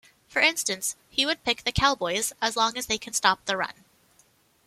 For instance, he would 'pick the Cowboys-as long as they can stop the run.